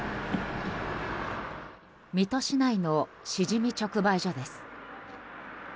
水戸市内のシジミ直売所です。